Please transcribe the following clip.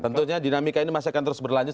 tentunya dinamika ini masih akan terus berlanjut